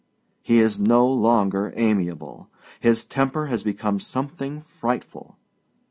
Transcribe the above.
He is no longer amiable. His temper has become something frightful.